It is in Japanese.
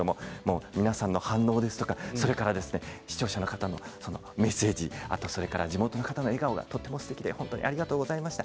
皆さんの反応ですとか視聴者の方のメッセージ地元の方の笑顔がとてもすてきでありがとうございました。